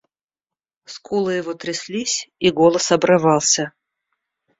Скулы его тряслись, и голос обрывался.